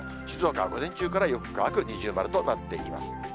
静岡は午前中からよく乾く、二重丸となっています。